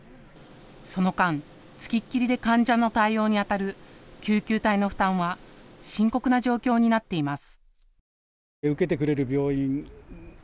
その間、付きっきりで患者の対応にあたる救急隊の負担は深刻な状況になっています。